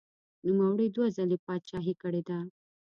نوموړي دوه ځلې پاچاهي کړې ده.